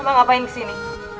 mama ngapain kesini